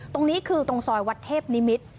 ตรงนี้คือตรงซอยวัดเทพนิมิตร